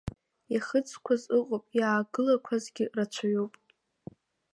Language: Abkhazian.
Иахыҵқәаз ыҟоуп, иаагылақәазгьы рацәаҩуп.